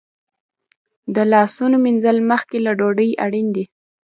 د لاسونو مینځل مخکې له ډوډۍ اړین دي.